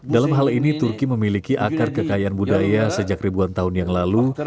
dalam hal ini turki memiliki akar kekayaan budaya sejak ribuan tahun yang lalu